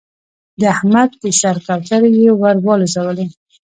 د احمد د سر کوترې يې ور والوزولې.